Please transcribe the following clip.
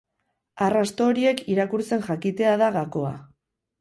Arrasto horiek irakurtzen jakitea da gakoa.